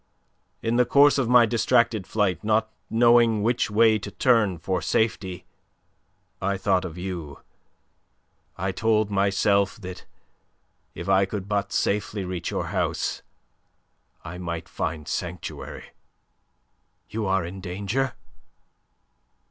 In the course of my distracted flight, not knowing which way to turn for safety, I thought of you. I told myself that if I could but safely reach your house, I might find sanctuary." "You are in danger?"